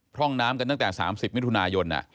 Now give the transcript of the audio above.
ร่องน้ำกันตั้งแต่๓๐มิถุนายน